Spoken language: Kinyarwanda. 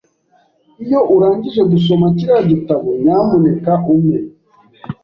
Iyo urangije gusoma kiriya gitabo, nyamuneka umpe.